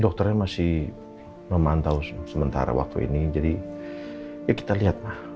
dokternya masih memantau sementara waktu ini jadi ya kita lihat mah